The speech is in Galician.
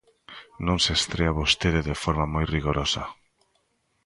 Non se estrea vostede de forma moi rigorosa.